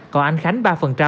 còn anh khánh ba